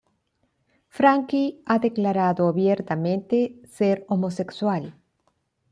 Frankie ha declarado abiertamente ser homosexual.